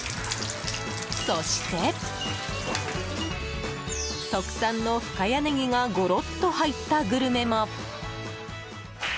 そして、特産の深谷ねぎがゴロッと入ったグルメも！